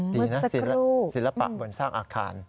ดีนะศิลปะบนสร้างอาคาร